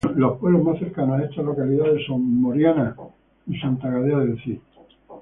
Los pueblos más cercanos a esta localidad son Moriana y Santa Gadea del Cid.